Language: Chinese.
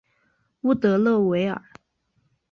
乌德勒维尔。